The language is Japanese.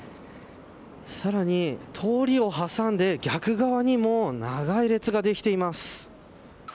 さらに通りを挟んで逆側にも長い列ができています。